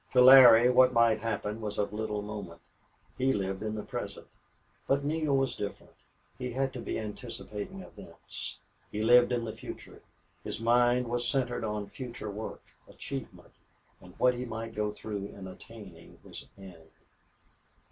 To Larry what might happen was of little moment. He lived in the present. But Neale was different. He had to be anticipating events; he lived in the future, his mind was centered on future work, achievement, and what he might go through in attaining his end.